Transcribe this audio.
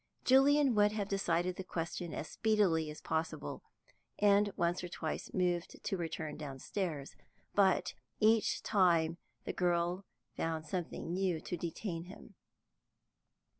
Julian would have decided the question as speedily as possible, and once or twice moved to return downstairs, but each time the girl found something new to detain him.